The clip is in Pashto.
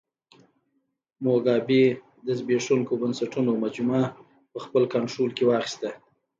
موګابي د زبېښونکو بنسټونو مجموعه په خپل کنټرول کې واخیسته.